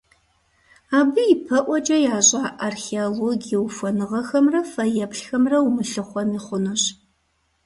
Абы ипэӀуэкӀэ ящӀа археологие ухуэныгъэхэмрэ фэеплъхэмрэ умылъыхъуэми хъунущ.